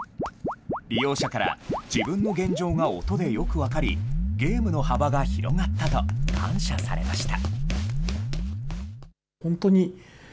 利用者から、自分の現状が音でよく分かり、ゲームの幅が広がったと感謝されました。